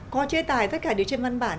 có chế tài tất cả đều trên văn bản